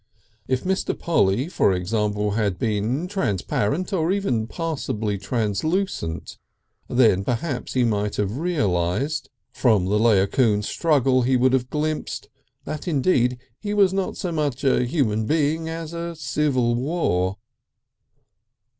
If Mr. Polly, for example, had been transparent or even passably translucent, then perhaps he might have realised from the Laocoon struggle he would have glimpsed, that indeed he was not so much a human being as a civil war.